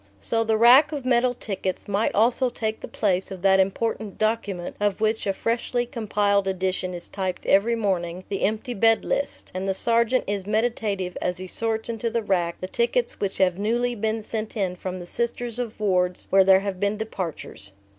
So the rack of metal tickets might almost take the place of that important document, of which a freshly compiled edition is typed every morning, the Empty Bed List; and the sergeant is meditative as he sorts into the rack the tickets which have newly been sent in from the Sisters of wards where there have been departures.